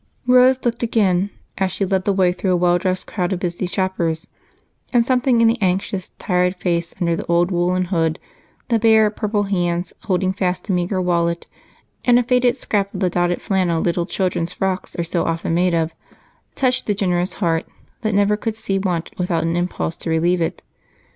Rose looked again as she led the way through a well dressed crowd of busy shoppers, and something in the anxious, tired face under the old woolen hood the bare, purple hands holding fast a meager wallet and a faded scrap of the dotted flannel little children's frocks are so often made of touched the generous heart that never could see want without an impulse to relieve it.